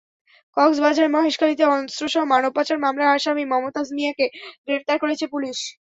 কক্সবাজারের মহেশখালীতে অস্ত্রসহ মানব পাচার মামলার আসামি মমতাজ মিয়াকে গ্রেপ্তার করেছে পুলিশ।